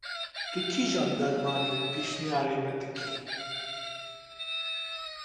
Tu kîjan dermanî pêşniyarî me dikî?